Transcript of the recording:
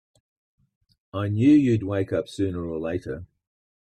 I knew you'd wake up sooner or later!